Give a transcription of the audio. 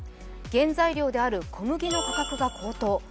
原材料である小麦の価格が高騰。